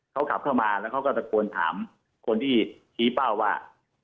เขาขับเข้ามาแล้วเขาก็ตะโกนถามคนที่ชี้เป้าว่า